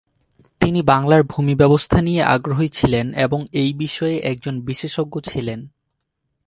তিনি বাংলার ভূমি ব্যবস্থা নিয়ে আগ্রহী ছিলেন এবং এই বিষয়ে একজন বিশেষজ্ঞ ছিলেন।